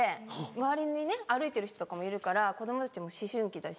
周りに歩いてる人とかもいるから子供たちも思春期だし。